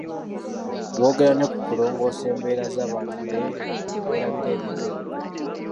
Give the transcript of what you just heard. Boogera ne ku kulongoosa embeera z'abantu naye ne beerabira ebintu ebikulu.